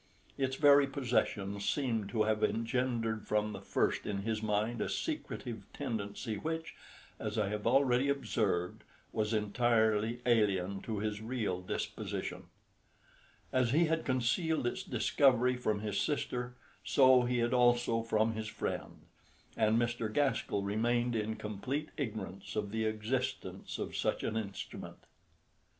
Its very possession seemed to have engendered from the first in his mind a secretive tendency which, as I have already observed, was entirely alien to his real disposition. As he had concealed its discovery from his sister, so he had also from his friend, and Mr. Gaskell remained in complete ignorance of the existence of such an instrument.